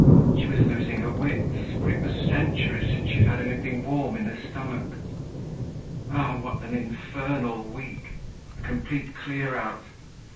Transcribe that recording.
She was losing her wits, for it was centuries since she had had anything warm in her stomach. Ah! what an infernal week! A complete clear out.